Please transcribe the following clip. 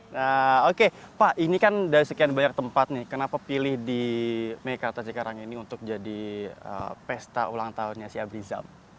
nah oke pak ini kan dari sekian banyak tempat nih kenapa pilih di meikarta cikarang ini untuk jadi pesta ulang tahunnya si abrizal